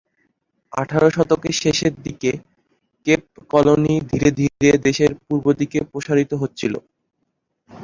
আঠারো শতকের শেষদিকে Cape colony ধীরে ধীরে দেশের পূর্ব দিকে প্রসারিত হচ্ছিল।